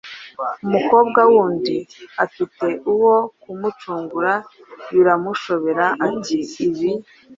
umukobwa wundi afite wo kumucungura. Biramushobera ati: “Ibi